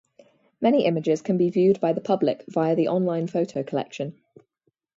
Many images can be viewed by the public via the online photo collection.